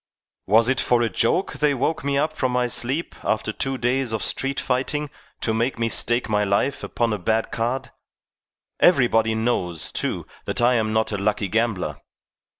"Was it for a joke they woke me up from my sleep after two days of street fighting to make me stake my life upon a bad card? Everybody knows, too, that I am not a lucky gambler."